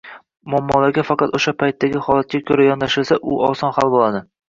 Muammolarga faqat o‘sha paytdagi holatga ko‘ra yondoshilsa, u oson hal bo‘ladi.